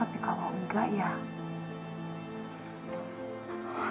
tapi kalau enggak ya